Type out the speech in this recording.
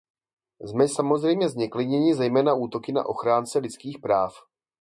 Jsme samozřejmě zneklidněni zejména útoky na ochránce lidských práv.